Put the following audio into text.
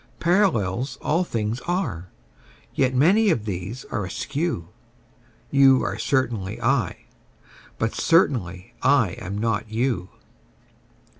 Parallels all things are: yet many of these are askew: You are certainly I: but certainly I am not you.